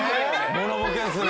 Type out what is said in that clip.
モノボケですね。